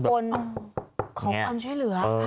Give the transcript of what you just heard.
คนขอความช่วยเหลือ